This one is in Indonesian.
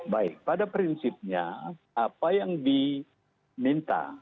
baik pada prinsipnya apa yang diminta